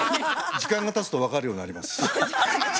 時間がたつと分かるようになります。